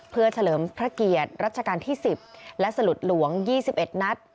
เพื่อเฉลิมพระเกียรติรัชกาลที่๑๐และสลุดหลวง๒๑นัด